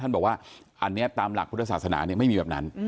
บอกว่าอันนี้ตามหลักพุทธศาสนาไม่มีแบบนั้น